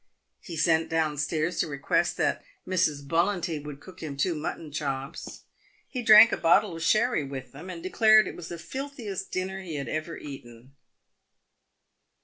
He sent down stairs to request that Mrs. Bullunty would cook him two mutton chops. He drank a bottle of sherry with them, and declared it was the filthiest dinner he had ever eaten.